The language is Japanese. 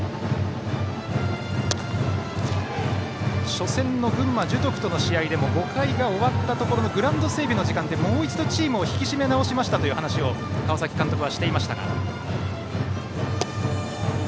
初戦の群馬・樹徳との試合でも５回が終わったところのグラウンド整備の時間でもう一度チームを引き締め直しましたという話を川崎監督はしていました。